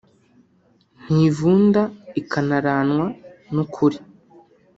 ntivunda ikanaranwa n’ukuri